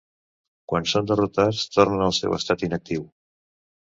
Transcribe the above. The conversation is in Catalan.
Quan són derrotats, tornen al seu estat inactiu.